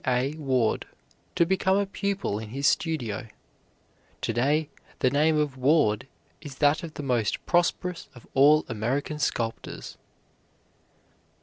Q. A. Ward, to become a pupil in his studio. To day the name of Ward is that of the most prosperous of all Americans sculptors.